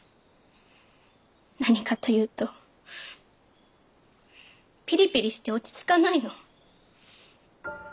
何かというとピリピリして落ち着かないの。